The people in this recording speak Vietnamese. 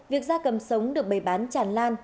việc gia cầm sống được bày bán tràn lan